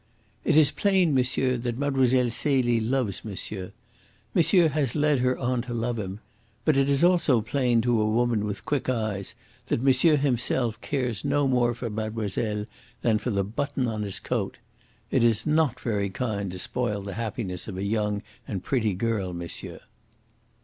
"It is plain, monsieur, that Mlle. Celie loves monsieur. Monsieur has led her on to love him. But it is also plain to a woman with quick eyes that monsieur himself cares no more for mademoiselle than for the button on his coat. It is not very kind to spoil the happiness of a young and pretty girl, monsieur."